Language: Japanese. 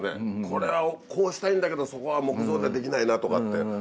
これはこうしたいんだけどそこは木造でできないなとかって。